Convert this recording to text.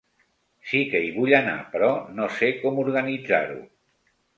Sí que hi vull anar, però no sé com organitzar-ho.